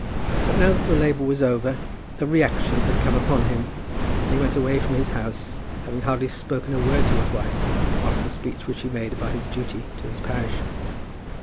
But now that the labour was over, a reaction had come upon him, and he went away from his house having hardly spoken a word to his wife after the speech which he made about his duty to his parish.